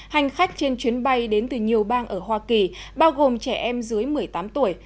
hành khách trên chuyến bay đến từ nhiều bang ở hoa kỳ bao gồm trẻ em dưới một mươi tám tuổi